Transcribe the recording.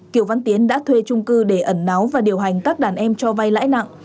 kiều văn tiến đã thuê trung cư để ẩn náu và điều hành các đàn em cho vay lãi nặng